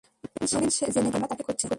নবীন জেনে গেছে আমরা তাকে খুঁজছি।